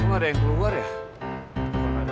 kok gak ada yang keluar ya